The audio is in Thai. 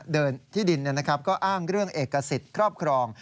ที่ดินก็อ้างเรื่องเอกสิทธิ์ครอบครอง